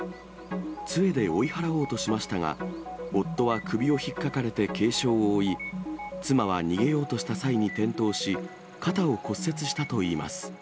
つえで追い払おうとしましたが、夫は首をひっかかれて軽傷を負い、妻は逃げようとした際に転倒し、肩を骨折したといいます。